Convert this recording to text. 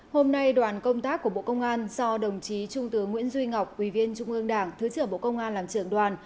hôm nay đoàn công tác của bộ công an do đồng chí trung tướng nguyễn duy ngọc ủy viên trung ương đảng thứ trưởng bộ công an làm trưởng đoàn